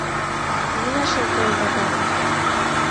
Нимә шылтылдаһын?